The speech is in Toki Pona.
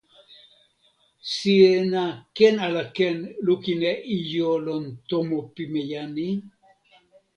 sina ken ala ken lukin e ijo lon tomo pimeja ni?